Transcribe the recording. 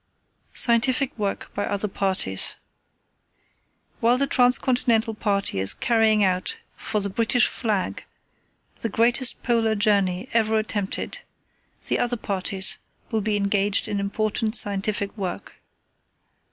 "Scientific Work by Other Parties. "While the Trans continental party is carrying out, for the British Flag, the greatest Polar journey ever attempted, the other parties will be engaged in important scientific work.